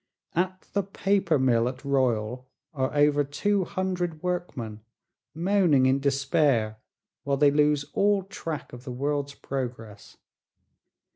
At the paper mill at Royal are over two hundred workmen moaning in despair while they lose all track of the world's progress.